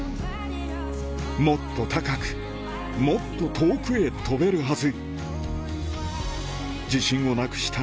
もっと高くもっと遠くへ飛べるはず